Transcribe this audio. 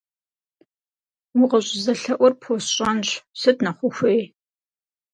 Укъыщӏызэлъэӏур пхуэсщӏэнщ, сыт нэхъ ухуей?